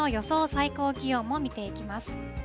最高気温も見ていきます。